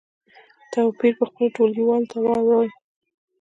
توپیر په خپلو ټولګیوالو ته واوروئ.